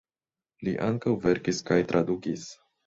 Li ankaŭ verkis kaj tradukis.